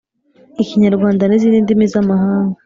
ikinyarwanda n’izindi ndimi z’amahanga,